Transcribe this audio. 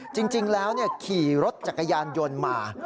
จริงแล้วขี่รถจักรยานยนต์มา